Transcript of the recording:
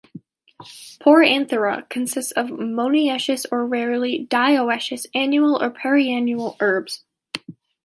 "Poranthera" consists of monoecious or rarely, dioecious annual or perennial herbs.